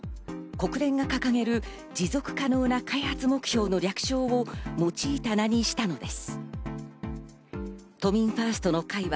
国連が掲げる持続可能な開発目標の略称を用いた名にしたのです。